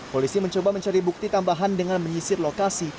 polisi mencoba mencari bukti tambahan dengan menyisir lokasi